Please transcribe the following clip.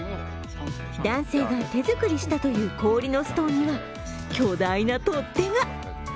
男性が手作りしたという氷のストーンには巨大な取っ手が。